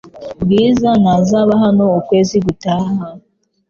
Bwiza ntazaba hano ukwezi gutaha .